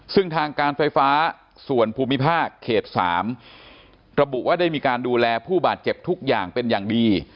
ซึ่งทางการไฟฟ้าส่วนภูมิภาคเขต๓ระบุว่าได้มีการดูแลผู้บาดเจ็บทุกอย่างเป็นอย่างดี